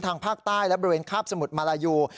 ภาคใต้และบริเวณคาบสมุทรมาลายู